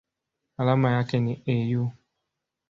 Alama yake ni Au.